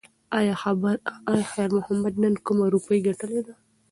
ایا خیر محمد نن کومه روپۍ ګټلې ده؟